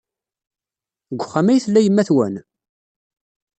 Deg uxxam ay tella yemma-twen?